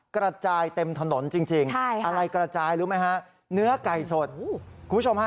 กระจายเต็มถนนจริงอะไรกระจายรู้ไหมฮะเนื้อไก่สดคุณผู้ชมฮะ